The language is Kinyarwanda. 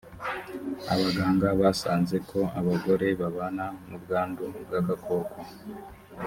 abaganga basanze ko abagore babana n ubwandu bw agakoko